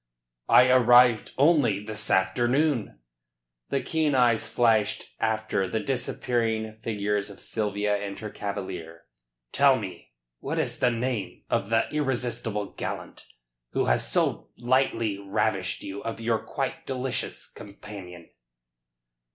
"I arrived only this afternoon." The keen eyes flashed after the disappearing figures of Sylvia and her cavalier. "Tell me, what is the name of the irresistible gallant who has so lightly ravished you of your quite delicious companion?"